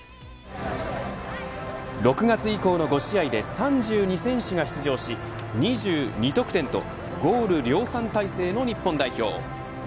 ６月以降の５試合で３２選手が出場し２２得点とゴール量産体制の日本代表。